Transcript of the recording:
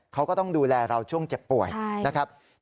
เขาก็ต้องดูแลเราช่วงเจ็บป่วยนะครับ